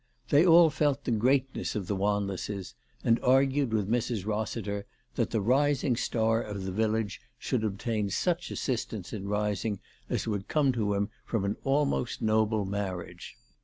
They all felt the greatness of the Wanlesses, and argued with Mrs. Rossiter that the rising star of the village should obtain such assistance in rising as would come to him from an almost noble marriage.